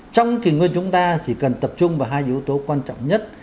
trong kỷ nguyên chúng ta chỉ cần tập trung vào hai yếu tố quan trọng nhất